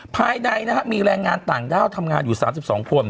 ภายในมีแรงงานต่างด้าวทำงานอยู่๓๒คน